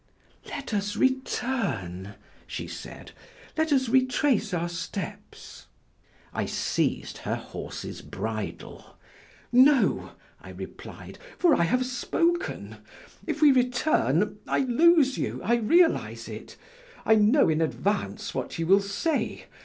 "Let us return," she said, "let us retrace our steps." I seized her horse's bridle. "No," I replied, "for I have spoken. If we return, I lose you, I realize it; I know in advance what you will say.